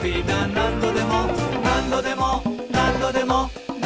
「なんどでもなんどでもなんどでも」